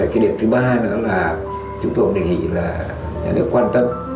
cái điểm thứ ba nữa là chúng tôi cũng đề nghị là nhà nước quan tâm